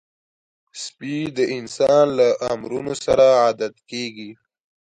سپي د انسان له امرونو سره عادت کېږي.